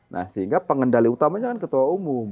nah sehingga pengendali utamanya kan ketua umum